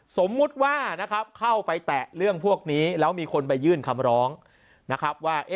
สมมุติว่านะครับเข้าไปแตะเรื่องพวกนี้แล้วมีคนไปยื่นคำร้องนะครับว่า